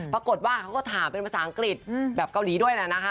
ปรากฏว่าเขาก็ถามเป็นภาษาอังกฤษแบบเกาหลีด้วยนะ